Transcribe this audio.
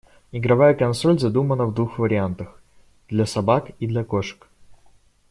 Игровая консоль задумана в двух вариантах — для собак и для кошек.